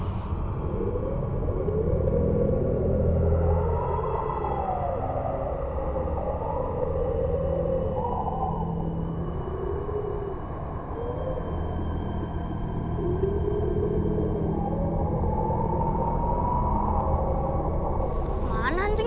kenapa demam demam trying